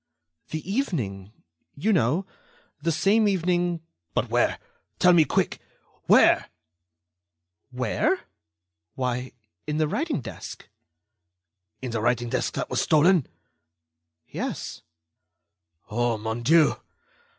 "The evening ... you know ... the same evening...." "But where?... Tell me, quick!... Where?" "Where? Why, in the writing desk." "In the writing desk that was stolen?" "Yes." "Oh, mon Dieu!...